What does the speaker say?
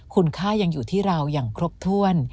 คุณค่ายังอยู่ที่เราอย่างครบถ้วน